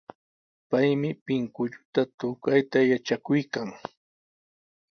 Paymi pinkullata tukayta yatrakuykan.